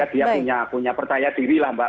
sehingga dia punya punya percaya diri lah mbak